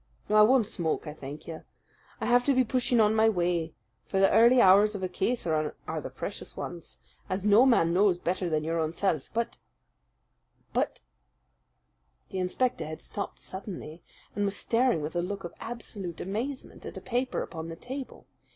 No, I won't smoke, I thank you. I'll have to be pushing on my way; for the early hours of a case are the precious ones, as no man knows better than your own self. But but " The inspector had stopped suddenly, and was staring with a look of absolute amazement at a paper upon the table.